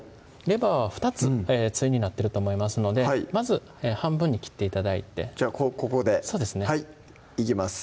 レバーは２つ対になってると思いますのでまず半分に切って頂いてじゃあここでそうですねいきます